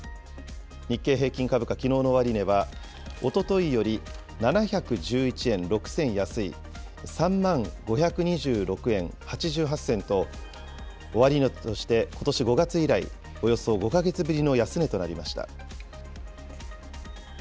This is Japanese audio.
日経平均株価、きのうの終値は、おとといより７１１円６銭安い、３万５２６円８８銭と、終値としてことし５月以来、およそ５か月ぶりの安値となりました。